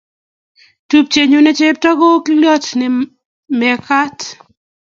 tupchenyu ne chepto ko okiliot ne mekat.